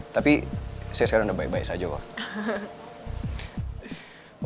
tapi saya sekarang udah baik baik saja kok